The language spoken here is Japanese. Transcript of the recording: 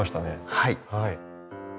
はい。